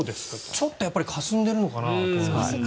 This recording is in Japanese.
ちょっとかすんでるのかな？